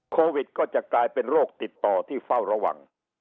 โควิดก็จะกลายเป็นโรคติดต่อที่เฝ้าระวัง